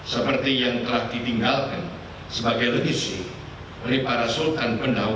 seperti yang telah ditinggalkan sebagai legisi dari para sultan pendahulu